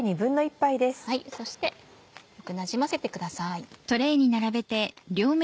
そしてよくなじませてください。